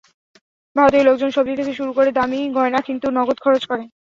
ভারতীয় লোকজন সবজি থেকে শুরু করে দামি গয়না কিনতেও নগদ খরচ করে।